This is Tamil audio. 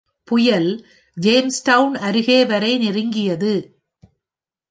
புயல் ஜேம்ஸ்டவுன் அருகேவரை நெருங்கியது,